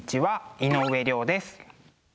井上涼です。